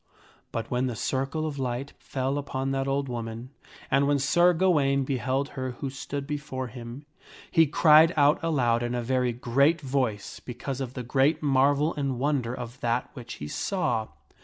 [But when the circle of light fell upon that old woman, and when Sir Gawaine beheld her who stood before him, he cried out aloud in a very great voice because of the great marvel and wonder of that which he saw.